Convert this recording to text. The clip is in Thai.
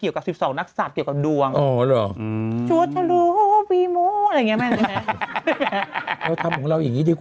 เรากอบเซวาให้เซวาทำเพลงให้ดู